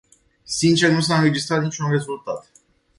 Sincer, nu s-a înregistrat niciun rezultat.